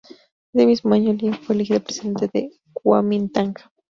Ese mismo año Lien fue elegido presidente del Kuomintang.